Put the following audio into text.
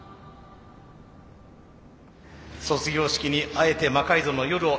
卒業式にあえて「魔改造の夜」を選びました。